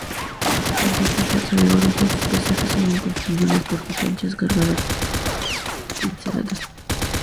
Pintor de fuerza, vigoroso, sus paisajes son inconfundibles por sus anchas y cargadas pinceladas.